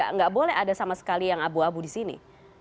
nggak boleh ada sama sekali yang abu abu di sini